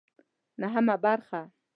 نهمه برخه